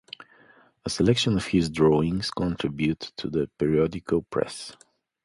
A selection of his drawings contributed to the periodical press.